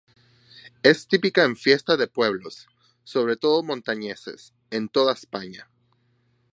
Es típica en fiestas de pueblos, sobre todo montañeses, en toda España.